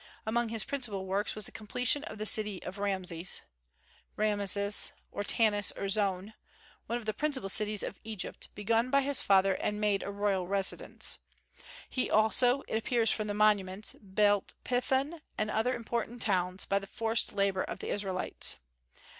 Among his principal works was the completion of the city of Rameses (Raamses, or Tanis, or Zoan), one of the principal cities of Egypt, begun by his father and made a royal residence. He also, it appears from the monuments, built Pithon and other important towns, by the forced labor of the Israelites.